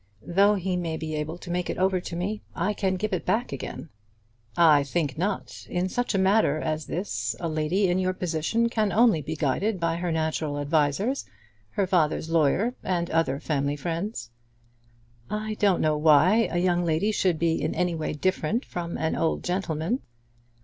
"Though he may be able to make it over to me, I can give it back again." "I think not. In such a matter as this a lady in your position can only be guided by her natural advisers, her father's lawyer and other family friends." "I don't know why a young lady should be in any way different from an old gentleman."